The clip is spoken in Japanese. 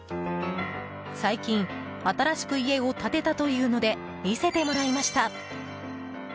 最近新しく家を建てたというので見せてもらいました。